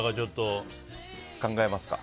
考えますか。